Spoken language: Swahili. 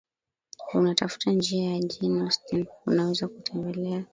unatafuta njia ya Jane Austen unaweza kutembelea